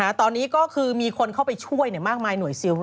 ตอนนี้ก็คือมีคนเข้าไปช่วยมากมายหน่วยซิล